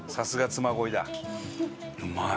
うまい。